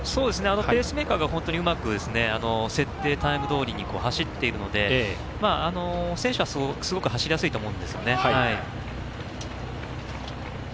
ペースメーカーがうまく設定タイムどおりに走っているので、選手はすごく走りやすいと思うんですよね。